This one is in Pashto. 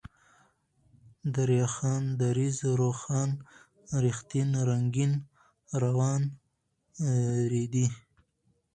دريا خان ، دريځ ، روښان ، رښتين ، رنگين ، روان ، ريدی